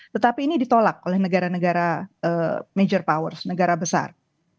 tetapi ini ditolak oleh negara negara major powers negara besar